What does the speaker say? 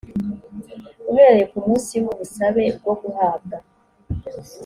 uhereye ku munsi w ubusabe bwo guhabwa